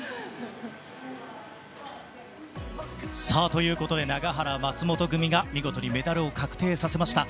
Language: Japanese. ということで永原、松本組が見事にメダルを確定させました。